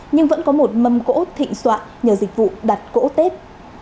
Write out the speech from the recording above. nhưng vẫn có một mâm cỗ thịnh soạn nhờ dịch vụ đặt cỗ tết